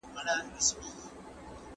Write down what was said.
دلته څو نکتې د پام وړ دي.